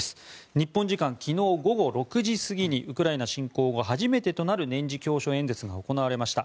日本時間昨日午後６時過ぎにウクライナ侵攻後初めてとなる年次教書演説が行われました。